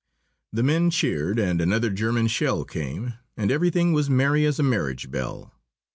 The men cheered, and another German shell came, and everything was merry as a marriage bell.